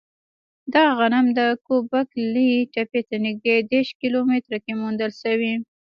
دغه غنم د ګوبک لي تپې ته نږدې دېرش کیلو متره کې موندل شوی.